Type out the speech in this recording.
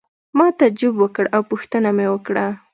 ما تعجب وکړ او پوښتنه مې وکړه.